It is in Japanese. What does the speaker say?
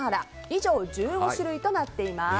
以上、１５種類となっています。